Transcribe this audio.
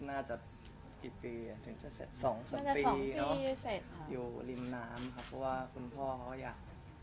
่าจะอีกปี๒๓ปีอยู่้าว่าคุณพ่อก็อยาก